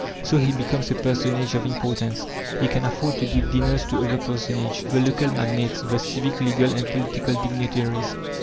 So he becomes a personage of importance. He can afford to give dinners to other personages to the local magnates, the civic, legal, and political dignitaries.